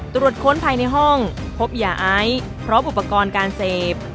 ตรวจค้นภายในห้องพบยาไอพร้อมอุปกรณ์การเสพ